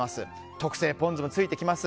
特製ポン酢もついてきます。